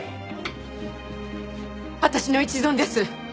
私の一存です！